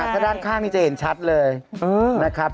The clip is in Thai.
ถ้าด้านข้างนี้จะเห็นชัดเลยนะครับ